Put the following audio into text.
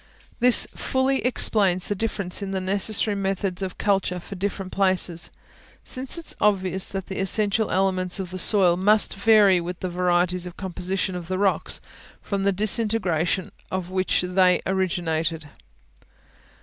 This fully explains the difference in the necessary methods of culture for different places; since it is obvious that the essential elements of the soil must vary with the varieties of composition of the rocks, from the disintegration of which they originated.